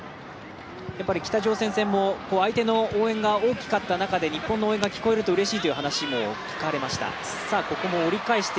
北朝鮮戦も相手の応援が大きかった中で、日本の応援が聞こえるとうれしいという話も聞かれました。